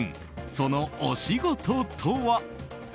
そのお仕事とは？